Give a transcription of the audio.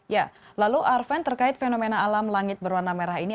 ya lalu arven terkait fenomena alam langit berwarna merah ini